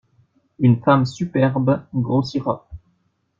Une femme superbe grossira.